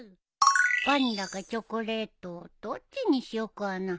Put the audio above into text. バニラかチョコレートどっちにしようかな。